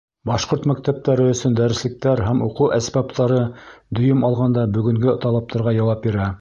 Башҡорт мәктәптәре өсөн дәреслектәр һәм уҡыу әсбаптары дөйөм алғанда бөгөнгө талаптарға яуап бирә.